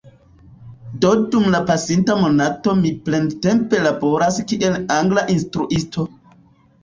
Do dum la pasinta monato mi plentempe laboras kiel angla instruisto